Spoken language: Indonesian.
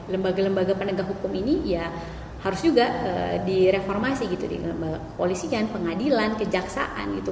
lembaga lembaga penegak hukum ini ya harus juga direformasi gitu di kepolisian pengadilan kejaksaan gitu